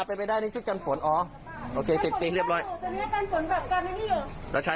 ป้าหายใจลึกป้า